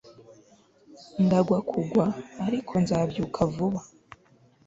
Ndagwa kugwa ariko nzabyuka vuba